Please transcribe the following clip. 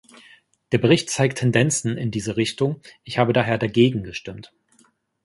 Der Bericht zeigt Tendenzen in diese Richtung, ich habe daher dagegen gestimmt.